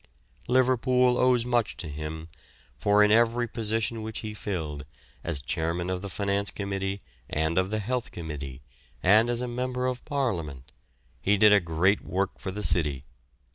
Liverpool owes much to him, for in every position which he filled, as Chairman of the Finance Committee and of the Health Committee, and as a Member of Parliament, he did a great work for the city.